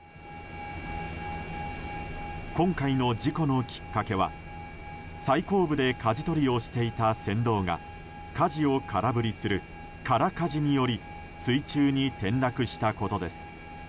今回の事故のきっかけは最後部でかじ取りをしていた船頭ががかじを空振りする空かじにより水中に転落したことです。